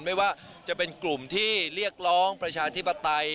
ไม่ว่าจะเป็นกลุ่มที่เรียกร้องประชาธิปไตย